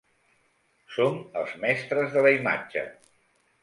Som els mestres de la imatge.